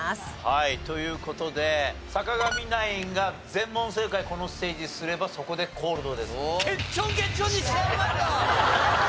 はいという事で坂上ナインが全問正解をこのステージすればそこでコールドです。